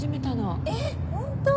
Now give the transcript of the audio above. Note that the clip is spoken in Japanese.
えっホント？